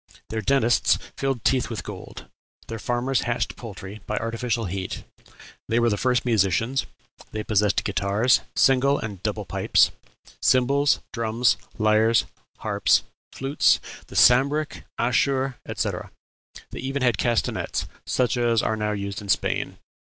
Their dentists filled teeth with gold; their farmers hatched poultry by artificial heat. They were the first musicians; they possessed guitars, single and double pipes, cymbals, drums, lyres, harps, flutes, the sambric, ashur, etc.; they had even castanets, such as are now used in Spain.